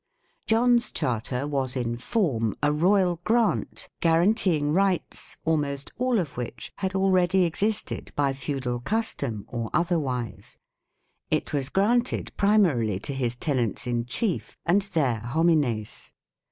John's Charter was in form a royal grant guarantee ing rights almost all of which had already existed by feudal custom or otherwise. It was granted primarily to his tenants in chief and their " homines